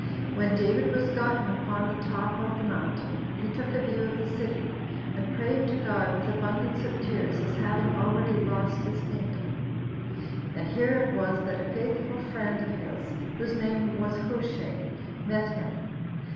When David was gotten upon the top of the mountain, he took a view of the city; and prayed to God with abundance of tears, as having already lost his kingdom; and here it was that a faithful friend of his, whose name was Hushai, met him.